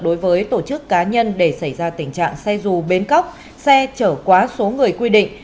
đối với tổ chức cá nhân để xảy ra tình trạng xe dù bến cóc xe chở quá số người quy định